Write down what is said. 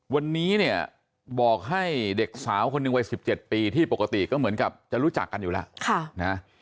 วันนี้เนี่ยบอกให้เด็กสาวคนหนึ่งวัย๑๗ปีที่ปกติก็เหมือนกับจะรู้จักกันอยู่แล้ว